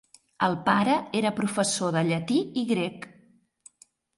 El pare era professor de llatí i grec.